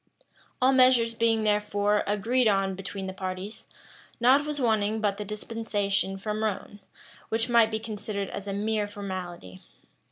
All measures being, therefore, agreed on between the parties, nought was wanting but the dispensation from Rome, which might be considered as a mere formality.